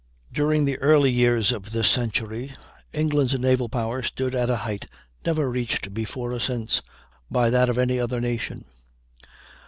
_ During the early years of this century England's naval power stood at a height never reached before or since by that of any other nation.